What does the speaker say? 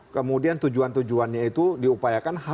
kemudian tujuan tujuannya itu diupayakan